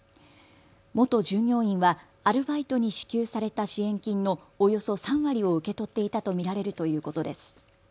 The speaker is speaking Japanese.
元従業員はアルバイトに支給された支援金のおよそ３割を受け取っていたと見られるということです。